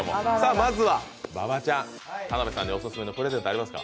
まずは馬場ちゃん、田辺さんにオススメのプレゼントありますか？